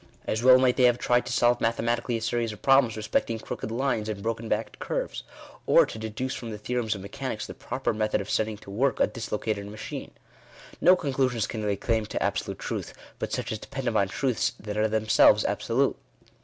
As well might they have tried to solve mathematically a series of problems respecting crooked lines and broken backed curves, or to deduce from the theorems of mechanics the proper method of setting to work a dislocated machine. No conclusions can lay claim to absolute truth, but such as depend upon truths that are themselves absolute.